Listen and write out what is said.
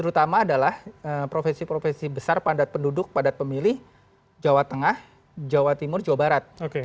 terutama adalah provinsi provinsi besar padat penduduk padat pemilih jawa tengah jawa timur jawa barat